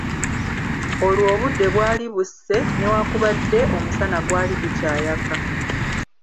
Olwo obudde bwali busse, newakubadde omusana gwali gukyayaka.